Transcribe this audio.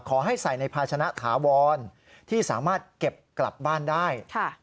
ใส่ในภาชนะถาวรที่สามารถเก็บกลับบ้านได้